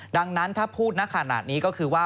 ดังนั้นถ้าพูดนักขนาดนี้ก็คือว่า